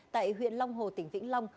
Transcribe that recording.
tại huyện long hồ tỉnh vĩnh long